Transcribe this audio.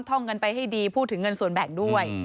ท่องกันไปให้ดีพูดถึงเงินส่วนแบ่งด้วย